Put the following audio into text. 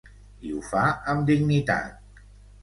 I ho fa amb dignitat.